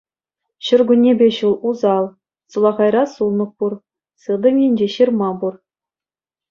Ҫуркуннепе ҫул усал, сулахайра сулнӑк пур, сылтӑм енче ҫырма пур.